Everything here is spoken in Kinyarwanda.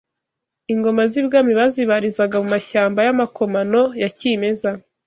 Ingoma z’i Bwami bazibarizaga mu mashyamba y’amakomano ya cyimeza